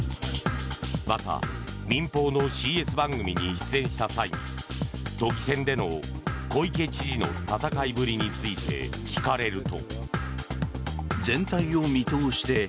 また、民放のＣＳ番組に出演した際に都議選での小池知事の戦いぶりについて聞かれると。